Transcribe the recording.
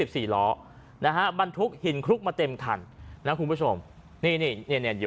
สี่ล้อนะฮะบรรทุกหินครุกมาเต็มทันนะครูผู้ชมนี่หนุ่ม